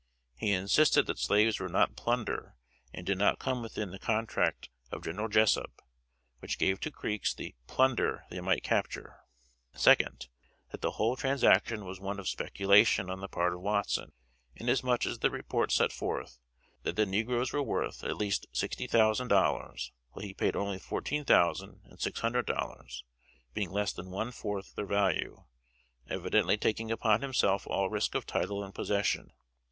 He insisted that slaves were not plunder, and did not come within the contract of General Jessup, which gave to Creeks the "plunder" they might capture. 2d. That the whole transaction was one of speculation on the part of Watson, inasmuch as the report set forth that the negroes were worth at least sixty thousand dollars, while he paid only fourteen thousand and six hundred dollars being less than one fourth their value, evidently taking upon himself all risk of title and possession.